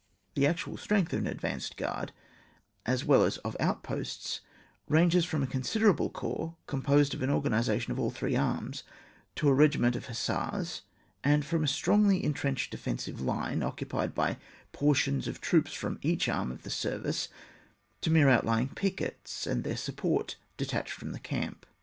The actual strength of an advanced guard, as well as of outposts, ranges from a considerable corps, composed of an organisation of aU tliree arms, to a regiment of hussars, and from a strongly entrenched defensive line, occupied by portions of troops from each arm of the service, to mere ontljdng pickets, and their supports detached from, the camp.